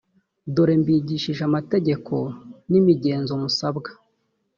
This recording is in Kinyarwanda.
dore mbigishije amategeko n’imigenzo musabwa